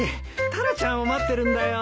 タラちゃんを待ってるんだよ。